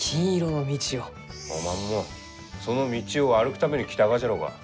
おまんもその道を歩くために来たがじゃろうが。